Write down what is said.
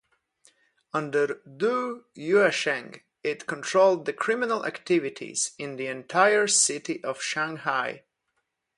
Under Du Yuesheng, it controlled the criminal activities in the entire city of Shanghai.